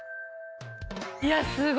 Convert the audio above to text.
いやすごいね。